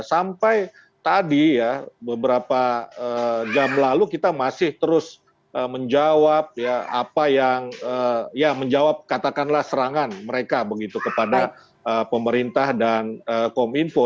sampai tadi ya beberapa jam lalu kita masih terus menjawab ya apa yang ya menjawab katakanlah serangan mereka begitu kepada pemerintah dan kominfo